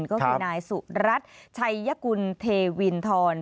ก็คือนายสุรัตน์ชัยกุลเทวินทร